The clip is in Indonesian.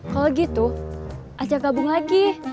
kalau gitu aja gabung lagi